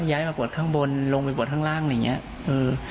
ย้ายมาบวชข้างบนลงไปบวชข้างล่างอะไรอย่างเงี้ย